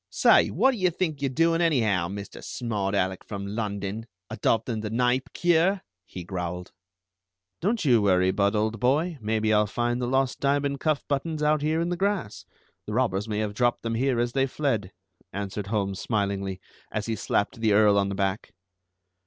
"Say, what do you think you're doing, anyhow, Mr. Smart Alec from London, adopting the Kneipp cure?" he growled. "Don't you worry, Budd old boy, maybe I'll find the lost diamond cuff buttons out here in the grass. The robbers may have dropped them here as they fled," answered Holmes smilingly, as he slapped the Earl on the back.